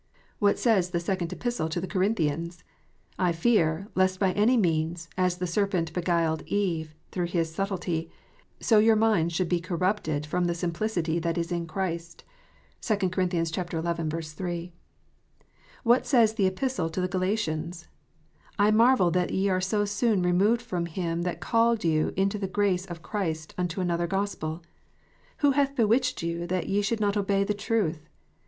What says the Second Epistle to the Corinthians 1 "I fear, lest by any means, as the serpent beguiled Eve through his subtilty, so your minds should be corrupted from the simplicity that is in Christ." (2 Cor. xi. 3.) What says the Epistle to the Galatians ?" I marvel that ye are so soon removed from him that called you into the grace of Christ unto another Gospel." " Who hath bewitched you that ye should not obey the truth